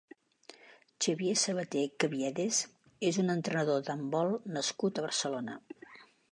Xavier Sabaté Caviedes és un entrenador d'handbol nascut a Barcelona.